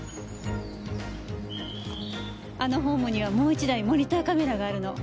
あのホームにはもう１台モニターカメラがあるの。